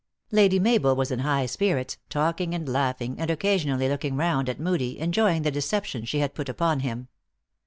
Lady Mabel was in high spirits, talking and laugh ing, and occasionally looking round at Moodie, en joying the deception she had put upon him.